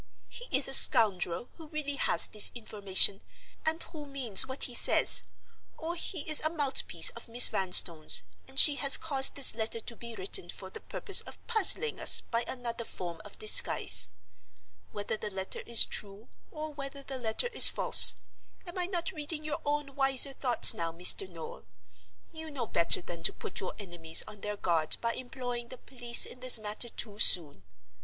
"He is a scoundrel who really has this information and who means what he says, or he is a mouthpiece of Miss Vanstone's, and she has caused this letter to be written for the purpose of puzzling us by another form of disguise. Whether the letter is true, or whether the letter is false—am I not reading your own wiser thoughts now, Mr. Noel?—you know better than to put your enemies on their guard by employing the police in this matter too soon.